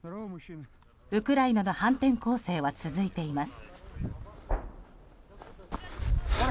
ウクライナの反転攻勢は続いています。